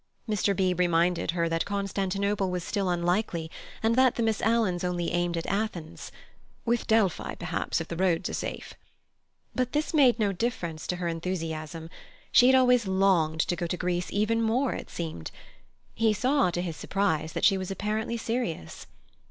Mr. Beebe reminded her that Constantinople was still unlikely, and that the Miss Alans only aimed at Athens, "with Delphi, perhaps, if the roads are safe." But this made no difference to her enthusiasm. She had always longed to go to Greece even more, it seemed. He saw, to his surprise, that she was apparently serious.